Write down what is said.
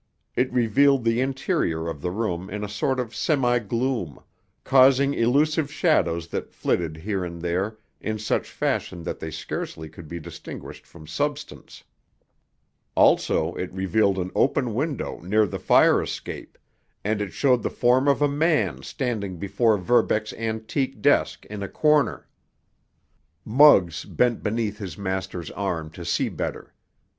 It revealed the interior of the room in a sort of semi gloom, causing elusive shadows that flitted here and there in such fashion that they scarcely could be distinguished from substance. Also, it revealed an open window near the fire escape—and it showed the form of a man standing before Verbeck's antique desk in a corner. Muggs bent beneath his master's arm to see better.